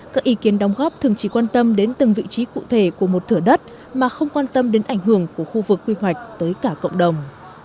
các ý kiến đóng góp thường chỉ quan tâm đến từng vị trí cụ thể của một thửa đất mà không quan tâm đến ảnh hưởng của khu vực quy hoạch tới cả cộng đồng